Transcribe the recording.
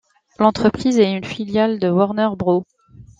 L'entreprise est une filiale de Warner Bros.